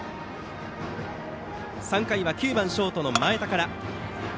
３回は９番ショートの前田から。